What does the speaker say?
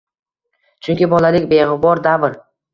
Chunki bolalik beg‘ubor davr.